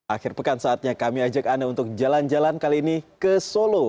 akhir pekan saatnya kami ajak anda untuk jalan jalan kali ini ke solo